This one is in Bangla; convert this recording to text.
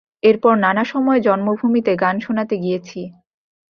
এরপর নানা সময়ে জন্মভূমিতে গান শোনাতে গিয়েছি।